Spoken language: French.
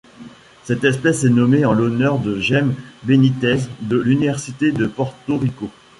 Cette espèce est nommée en l'honneur de Jaime Benitez de l'Université de Porto Rico.